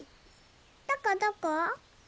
どこどこ？